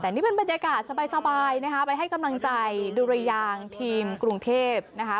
แต่นี่เป็นบรรยากาศสบายนะคะไปให้กำลังใจดุรยางทีมกรุงเทพนะคะ